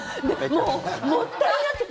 もうもったいなくて。